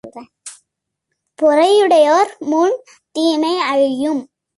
பொறை யுடையோர் முன் தீமை அழியும்.